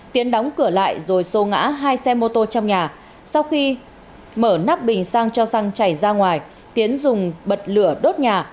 tiến đóng cửa lại rồi xô ngã hai xe mô tô trong nhà sau khi mở nắp bình sang cho xăng chảy ra ngoài tiến dùng bật lửa đốt nhà